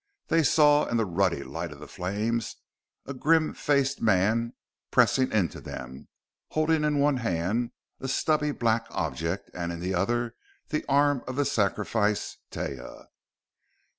They saw, in the ruddy light of the flames, a grim faced man pressing into them, holding in one hand a stubby black object, and in the other the arm of the sacrifice, Taia.